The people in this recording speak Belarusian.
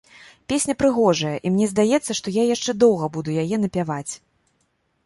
Песня прыгожая, і мне здаецца, што я яшчэ доўга буду яе напяваць!